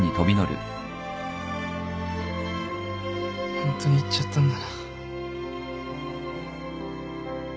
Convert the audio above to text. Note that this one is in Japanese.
ホントに行っちゃったんだな。